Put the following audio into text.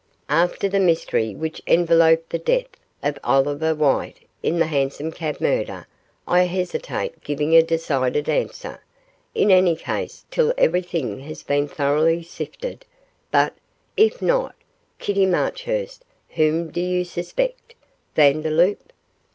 After the mystery which enveloped the death of Oliver Whyte in the hansom cab murder I hesitate giving a decided answer, in any case till everything has been thoroughly sifted; but, if not Kitty Marchurst, whom do you suspect Vandeloup?